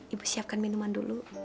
ibu siapkan minuman dulu